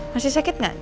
masih sakit gak